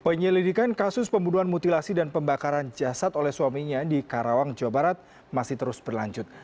penyelidikan kasus pembunuhan mutilasi dan pembakaran jasad oleh suaminya di karawang jawa barat masih terus berlanjut